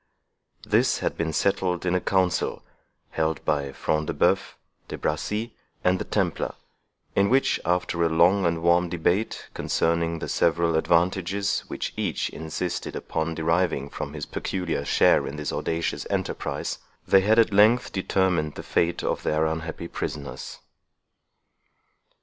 This had been settled in a council held by Front de Bœuf, De Bracy, and the Templar, in which, after a long and warm debate concerning the several advantages which each insisted upon deriving from his peculiar share in this audacious enterprise, they had at length determined the fate of their unhappy prisoners.